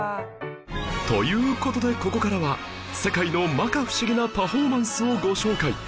という事でここからは世界の摩訶不思議なパフォーマンスをご紹介